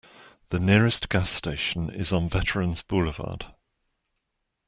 The nearest gas station is on Veterans Boulevard.